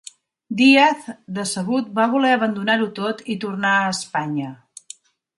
Díaz, decebut, va voler abandonar-ho tot i tornar a Espanya.